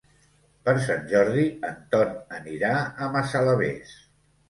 Per Sant Jordi en Ton anirà a Massalavés.